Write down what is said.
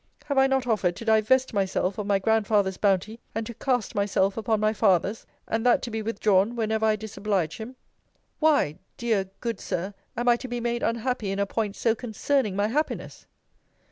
Have I not offered to divest myself of my grandfather's bounty, and to cast myself upon my father's! and that to be withdrawn, whenever I disoblige him? Why, dear, good Sir, am I to be made unhappy in a point so concerning my happiness?